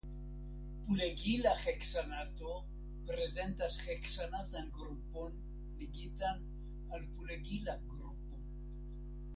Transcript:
Pulegila heksanato prezentas heksanatan grupon ligitan al pulegila grupo.